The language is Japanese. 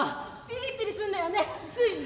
ピリピリするんだよねつい。